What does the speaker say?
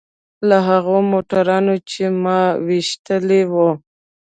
له هغو موټرانو چې ما ويشتلي وو.